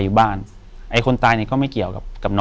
อยู่ที่แม่ศรีวิรัยิลครับ